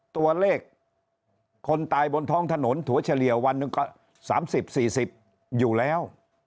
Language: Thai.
ตัวเลขคนตายบนท้องถนนถั่วเฉลี่ยวันหนึ่งก็๓๐๔๐อยู่แล้ว